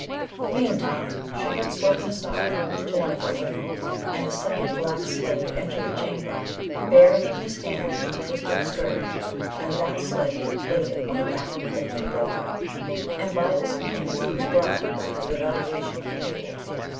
Meantime she had spoken aside to one of her women, and a second black slave entered the chamber, bearing in his hand a twisted scourge, and that slave laid it on the back of Boolp the broker, and by this means he was brought quickly to the valuation of the Jewel.